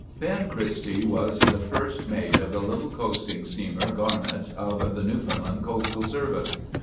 "Ben Christie was first mate of the little coasting steamer Garnet, of the Newfoundland Coastal Service.